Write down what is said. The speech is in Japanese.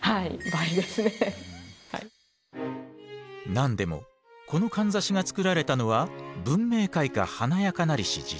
何でもこのかんざしが作られたのは文明開化華やかなりし時代。